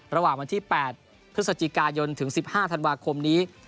ระหว่างวันที่๘พฤศจิกายนถึง๑๕ธันวาคมนี้